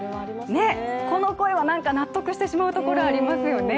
この声は、なんか納得してしまうところありますよね。